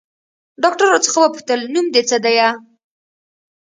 ډاکتر راڅخه وپوښتل نوم دې څه ديه.